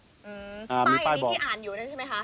ป้ายอันนี้ที่อ่านอยู่นั่นใช่ไหมคะ